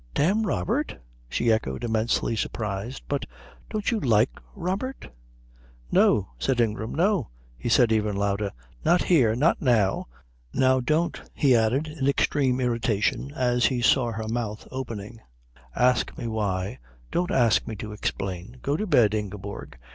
"Damn Robert?" she echoed, immensely surprised. "But don't you like Robert?" "No," said Ingram. "No," he said, even louder. "Not here. Not now. Now don't," he added in extreme irritation as he saw her mouth opening, "ask me why, don't ask me to explain. Go to bed, Ingeborg.